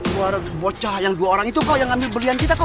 dua bocah yang dua orang itu kok yang ambil berlian kita kok